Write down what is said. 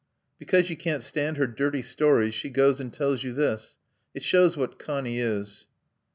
"Because you can't stand her dirty stories she goes and tells you this. It shows what Connie is."